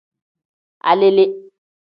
Alele.